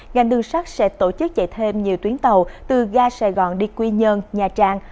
ngành đường sắt sẽ tổ chức chạy thêm nhiều tuyến tàu từ ga sài gòn đi quy nhơn nha trang